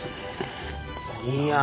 いいやん！